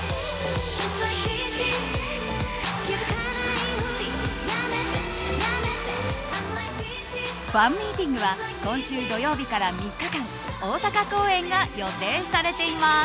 ファンミーティングは今週土曜日から３日間大阪公演が予定されています。